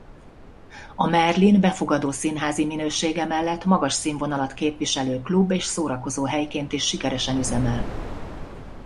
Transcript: A Merlin befogadó színházi minősége mellett magas színvonalat képviselő klub-és szórakozóhelyként is sikeresen üzemel.